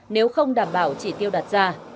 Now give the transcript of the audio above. nếu không đảm bảo chỉ tiêu đặt ra